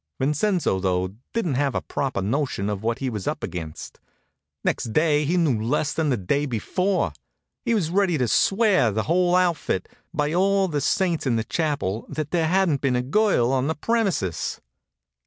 Vincenzo, though, didn't have a proper notion of what he was up against. Next day he knew less than the day before. He was ready to swear the whole outfit, by all the saints in the chapel, that there hadn't been a girl on the premises.